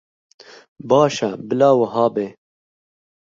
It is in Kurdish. Baş e, bila wiha be.